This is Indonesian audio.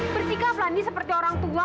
bersikap lani seperti orang tua